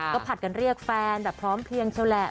ก็ผัดกันเรียกแฟนแบบพร้อมเพียงเช่าแหละ